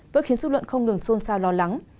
vỡ khiến xúc luận không ngừng xôn xao lo lắng